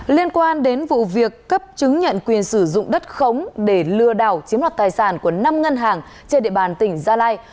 liên quan đến vụ việc cấp chứng nhận quyền sử dụng đất khống để lừa đảo chiếm đoạt tài sản của năm ngân hàng trên địa bàn tỉnh gia lai